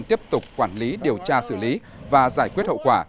tiếp tục quản lý điều tra xử lý và giải quyết hậu quả